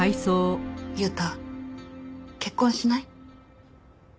悠太結婚しない？